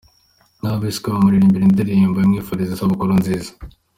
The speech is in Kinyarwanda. Aho bahise bamuririmbira indirimbo imwifuriza isabukuru nziza.